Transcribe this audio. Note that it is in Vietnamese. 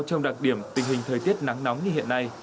trong đặc điểm tình hình thời tiết nắng nóng như hiện nay